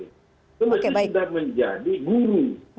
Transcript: itu sudah menjadi guru